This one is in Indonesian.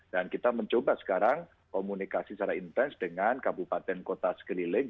dan kita mencoba sekarang komunikasi secara intens dengan kabupaten kota sekeliling